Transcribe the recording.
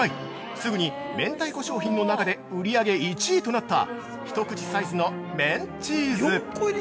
すぐに明太子商品の中で売り上げ１位となった一口サイズのＭＥＮＣＨＥＥＳＥ。